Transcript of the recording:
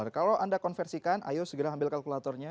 kalau anda konversikan ayo segera ambil kalkulatornya